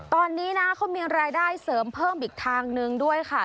ตอนนี้นะเขามีรายได้เสริมเพิ่มอีกทางนึงด้วยค่ะ